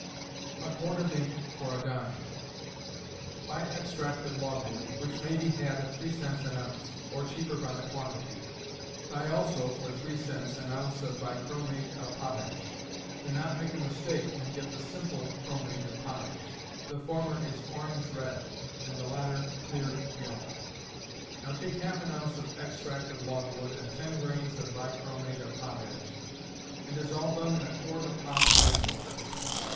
A Quart of Ink, for a Dime. Buy extract of logwood, which may be had at three cents an ounce, or cheaper by the quantity. Buy also, for three cents, an ounce of bi chromate of potash. Do not make a mistake, and get the simple chromate of potash. The former is orange red, and the latter clear yellow. Now, take half an ounce of extract of logwood and ten grains of bi chromate of potash, and dissolve them in a quart of hot rain water.